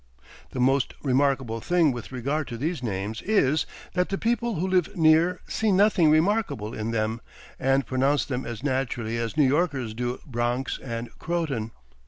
The most remarkable thing with regard to these names is, that the people who live near see nothing remarkable in them, and pronounce them as naturally as New Yorkers do Bronx and Croton.